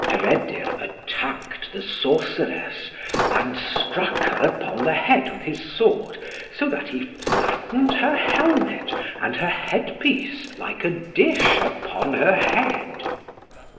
Peredur attacked the sorceress, and struck her upon the head with his sword, so that he flattened her helmet and her headpiece like a dish upon her head.